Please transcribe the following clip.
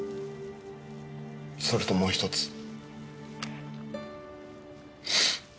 それともう一つ。